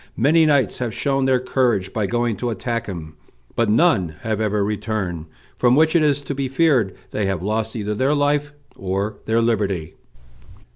Many knights have shown their courage by going to attack him, but none have ever returned, from which it is to be feared they have lost either their life or their liberty."